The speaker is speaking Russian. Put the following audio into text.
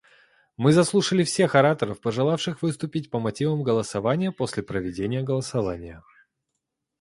Мы заслушали всех ораторов, пожелавших выступить по мотивам голосования после проведения голосования.